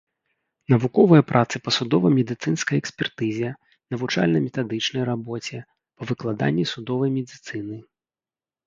Навуковыя працы па судова-медыцынскай экспертызе, навучальна-метадычнай рабоце па выкладанні судовай медыцыны.